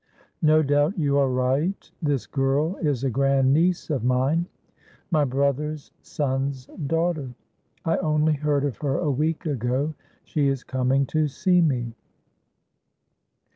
"No doubt you are right. This girl is a grand niece of mine, my brother's son's daughter. I only heard of her a week ago. She is coming to see me."